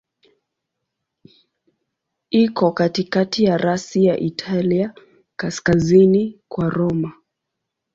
Iko katikati ya rasi ya Italia, kaskazini kwa Roma.